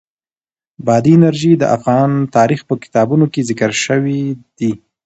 بادي انرژي د افغان تاریخ په کتابونو کې ذکر شوی دي.